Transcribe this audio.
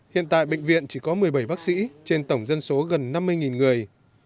hiện tại bệnh viện chỉ có một mươi bảy bác sĩ trên tổng dân số gần năm mươi người